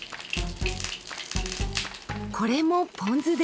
これもポン酢で。